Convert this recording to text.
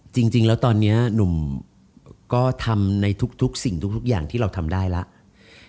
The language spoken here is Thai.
จริงแล้วตอนนี้หนุ่มก็ทำในทุกสิ่งทุกอย่างที่เราทำได้แล้ว